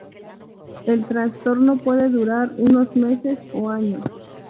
El trastorno puede durar unos meses o años.